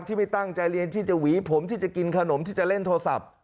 ไม่ตั้งใจเรียนที่จะหวีผมที่จะกินขนมที่จะเล่นโทรศัพท์